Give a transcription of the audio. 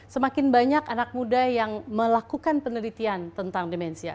semakin banyak anak muda yang melakukan penelitian tentang demensia